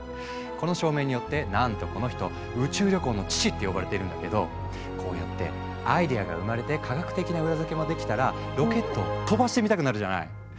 この証明によってなんとこの人「宇宙旅行の父」って呼ばれているんだけどこうやってアイデアが生まれて科学的な裏付けもできたらロケットを飛ばしてみたくなるじゃない？